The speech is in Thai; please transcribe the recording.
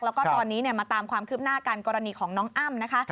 แล้วก็ตอนนี้มาตามความคืบหน้ากันกรณีของน้องอ้ำนะคะ